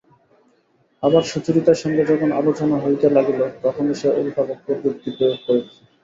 আবার সুচরিতার সঙ্গে যখন আলোচনা হইতে লাগিল তখনো সে উলটা পক্ষের যুক্তি প্রয়োগ করিল।